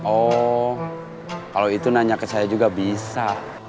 oh kalau itu nanya ke saya juga bisa